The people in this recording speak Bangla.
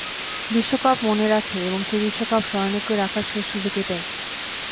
বিশ্বকাপ মনে রাখে এবং সেই বিশ্বকাপ স্মরণীয় করে রাখার শেষ সুযোগ এটাই।